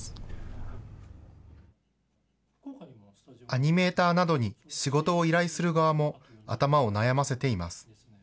アニメーターなどに仕事を依頼する側も、頭を悩ませています。